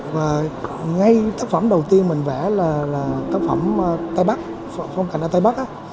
và ngay tác phẩm đầu tiên mình vẽ là tác phẩm tây bắc phong cảnh ở tây bắc á